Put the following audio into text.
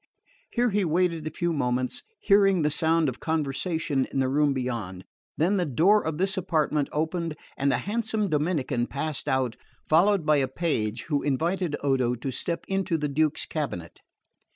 Here he waited a few moments, hearing the sound of conversation in the room beyond; then the door of this apartment opened, and a handsome Dominican passed out, followed by a page who invited Odo to step into the Duke's cabinet.